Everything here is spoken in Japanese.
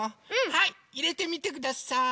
はいいれてみてください！